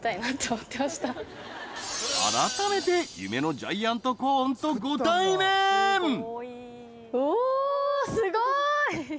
改めて夢のジャイアントコーンとご対面うおすごーい